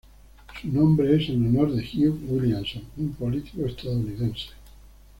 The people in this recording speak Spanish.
Su nombre es en honor de Hugh Williamson, un político estadounidense.